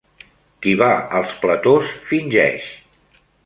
Qui va als platós, fingeix.